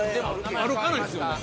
歩かないっすよね。